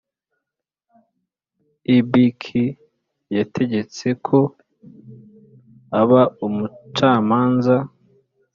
Ibk yategetse ko aba umucamanza